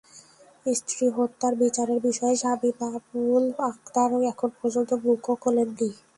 স্ত্রী হত্যার বিচারের বিষয়ে স্বামী বাবুল আক্তার এখন পর্যন্ত মুখও খোলেননি।